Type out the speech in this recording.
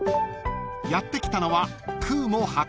［やって来たのは］